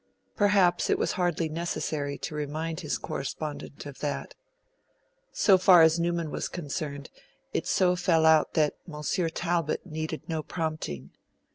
Perhaps it was hardly necessary to remind his correspondent of that. So far as Newman was concerned, it so fell out that Monsignor Talbot needed no prompting.